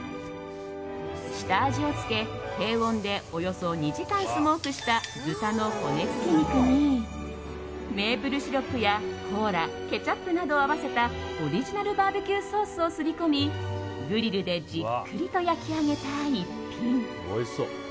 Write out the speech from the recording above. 下味をつけ、低温でおよそ２時間スモークした豚の骨付き肉にメープルシロップやコーラケチャップなどを合わせたオリジナルバーベキューソースをすり込みグリルでじっくりと焼き上げた一品。